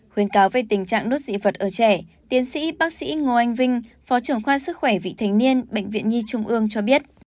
khuyến cáo về tình trạng đốt dị vật ở trẻ tiến sĩ bác sĩ ngô anh vinh phó trưởng khoa sức khỏe vị thành niên bệnh viện nhi trung ương cho biết